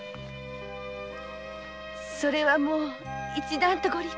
それはもう一段とご立派で。